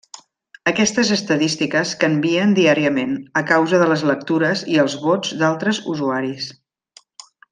Aquestes estadístiques canvien diàriament, a causa de les lectures i els vots d'altres usuaris.